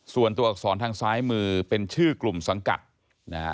ตัวอักษรทางซ้ายมือเป็นชื่อกลุ่มสังกัดนะฮะ